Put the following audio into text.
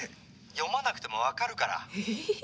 読まなくてもわかるから」えええ？